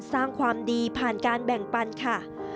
สร้างความดีผ่านการแบ่งปันค่ะ